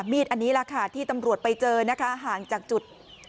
มีดอันนี้แหละค่ะที่ตำรวจไปเจอนะคะห่างจากจุด